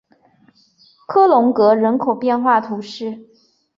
科隆格人口变化图示